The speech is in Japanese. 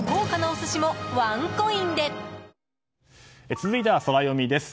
続いてはソラよみです。